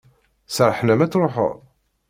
Serrḥen-am ad truḥeḍ?